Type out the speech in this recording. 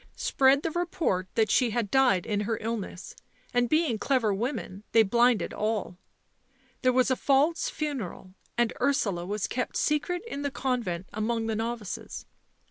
So the nuns, tempted by greed, spread the report that she had died in her illness, and, being clever women, they blinded all. There was a false funeral, and Ursula was kept secret in the convent among the novices.